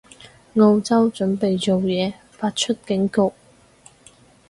澳洲準備做嘢，發出警告